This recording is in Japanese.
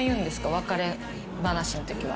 別れ話のときは。